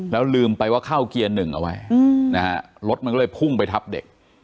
แล้วลืมไปว่าเข้าเกียร์หนึ่งเอาไว้นะฮะรถมันก็เลยพุ่งไปทับเด็ก